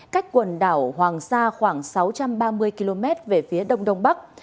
cách quần đảo hoàng sa khoảng sáu trăm ba mươi km về phía đông đông bắc